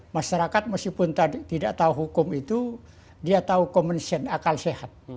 masyarakat meskipun tidak tahu hukum itu dia tahu commonsion akal sehat